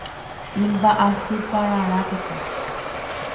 imba'asypararãpiko